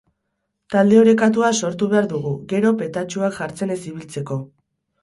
Talde orekatua sortu behar dugu, gero petatxuak jartzen ez ibiltzeko.